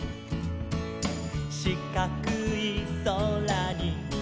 「しかくいそらに」